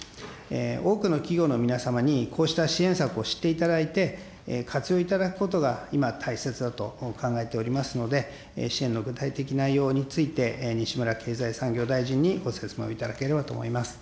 多くの企業の皆様に、こうした支援策を知っていただいて、活用いただくことが今、大切だと考えておりますので、支援の具体的な内容について、西村経済産業大臣にご説明をいただければと思います。